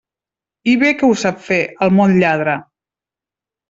I que bé ho sap fer, el molt lladre!